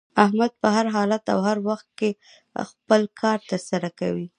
احمد په هر حالت او هر وخت کې خپل کار تر سره کوي.